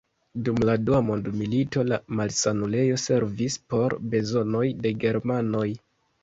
Dum la dua mondmilito la malsanulejo servis por bezonoj de germanoj.